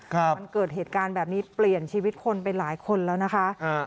ครับมันเกิดเหตุการณ์แบบนี้เปลี่ยนชีวิตคนไปหลายคนแล้วนะคะอ่า